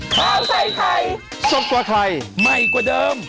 ขาวใส่ไข่ซพกัวไข่ใหม่กว่าเดิม